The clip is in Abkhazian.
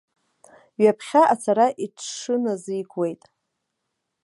Ҩаԥхьа ацара иҽыназикуеит.